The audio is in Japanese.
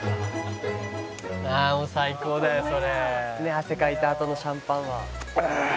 汗かいたあとのシャンパンは」ああ！